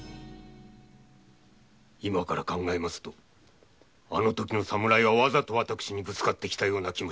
今から考えますとあのときの侍はわざと私にぶつかったのではと。